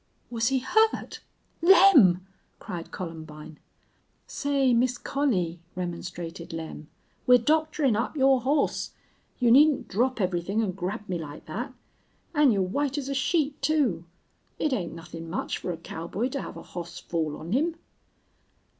"Was he hurt Lem!" cried Columbine. "Say, Miss Collie," remonstrated Lem, "we're doctorin' up your hoss. You needn't drop everythin' an' grab me like thet. An' you're white as a sheet, too. It ain't nuthin' much fer a cowboy to hev a hoss fall on him."